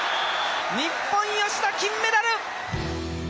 日本吉田金メダル！」。